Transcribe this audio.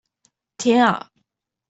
天啊！